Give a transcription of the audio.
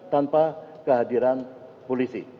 tanpa kehadiran polisi